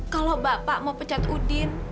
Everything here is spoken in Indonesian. kalau bapak mau pecat udin